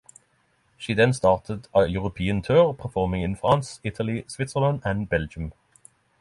She then started a European tour performing in France, Italy, Switzerland and Belgium.